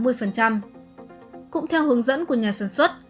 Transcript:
cũng theo hướng dẫn của nhà sản xuất